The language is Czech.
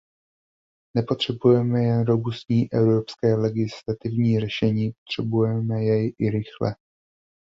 Nepotřebujeme jen robustní evropské legislativní řešení, potřebujeme jej i rychle.